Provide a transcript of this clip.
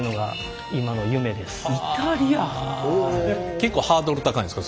結構ハードル高いんですか？